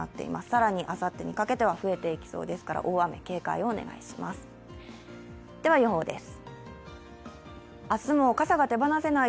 更にあさってにかけては増えていきそうですから大雨、警戒をお願いします。